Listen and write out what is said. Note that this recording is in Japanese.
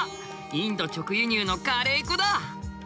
インド直輸入のカレー粉だ。